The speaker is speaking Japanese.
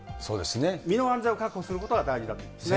身の安全を確保することが大事だということですね。